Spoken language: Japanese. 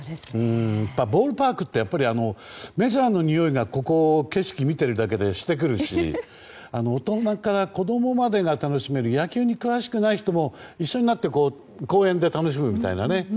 ボールパークってメジャーのにおいがここ、景色を見てるだけでしてくるし大人から子供までが楽しめる野球に詳しくない人も一緒になって公園で楽しむみたいなね。